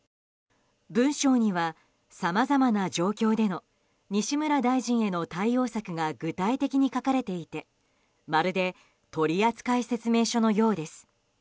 文書には、さまざまな状況での西村大臣への対応策が具体的に書かれていてまるで取扱説明書のようです。